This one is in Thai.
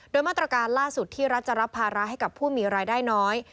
โดยมาตรการล่าสุดที่รัฐจะรับภาระให้กับผู้มีรายได้น้อย